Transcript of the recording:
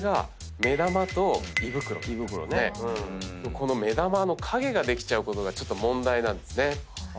この目玉の影ができちゃうことが問題なんです。